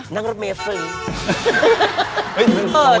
นางรับเมฟรี